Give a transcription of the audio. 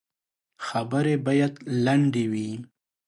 خبري باید لنډي وي .